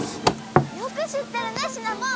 よく知ってるねシナモン！